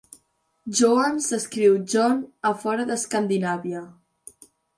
Johan s'escriu John a fora d'Escandinàvia.